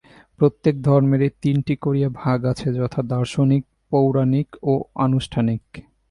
প্রত্যেক ধর্মেরই তিনটি করিয়া ভাগ আছে, যথা-দার্শনিক, পৌরাণিক ও আনুষ্ঠানিক।